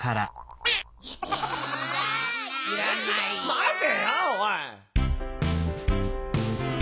まてよおい！